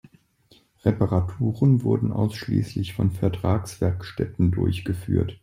Reparaturen wurden ausschließlich von Vertragswerkstätten durchgeführt.